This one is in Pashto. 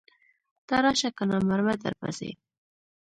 ته راشه کنه مرمه درپسې.